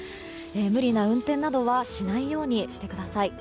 無理な運転などはしないようにしてください。